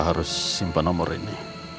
harus simpan nomor ini